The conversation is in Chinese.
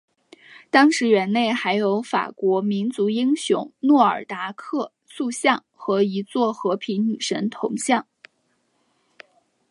当时园内还有法国民族英雄诺尔达克塑像和一座和平女神铜像。